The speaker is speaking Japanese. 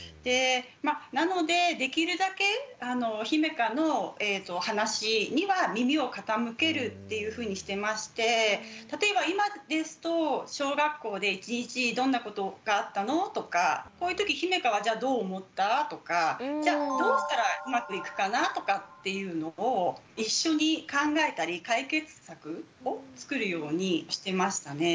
なのでできるだけひめかの例えば今ですと小学校で一日どんなことがあったの？とかこういうときひめかはじゃあどう思った？とかじゃどうしたらうまくいくかな？とかっていうのを一緒に考えたり解決策をつくるようにしてましたね。